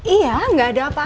iya gak ada apa apa papa